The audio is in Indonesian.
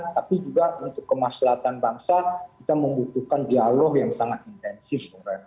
tapi juga untuk kemaslahan bangsa kita membutuhkan dialog yang sangat intensif